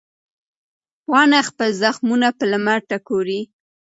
پاڼه خپل زخمونه په لمر ټکوروي.